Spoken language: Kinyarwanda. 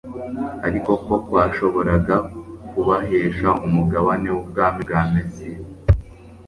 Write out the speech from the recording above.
ari ko kwashoboraga kubahesha umugabane w'ubwami bwa Mesiya.